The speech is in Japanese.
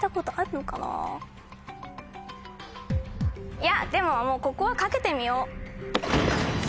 いやでもここはかけてみよう。